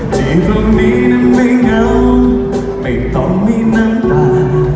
จีนตรงนี้นั้นไม่เหงาไม่ต้องมีน้ำตา